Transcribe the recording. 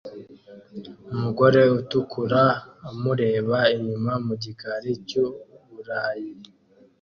Umugore utukura amureba inyuma mu gikari cyu Burayi